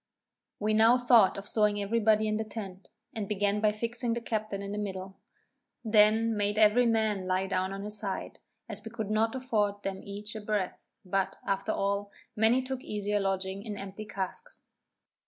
We now thought of stowing every body in the tent, and began by fixing the captain in the middle. Then made every man lie down on his side, as we could not afford them each a breadth; but, after all, many took easier lodging in empty casks.